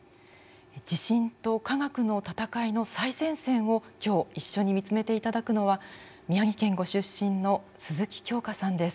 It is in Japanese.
地震と科学の闘いの最前線を今日一緒に見つめていただくのは宮城県ご出身の鈴木京香さんです。